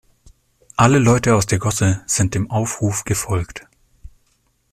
Alle Leute aus der Gosse sind dem Aufruf gefolgt.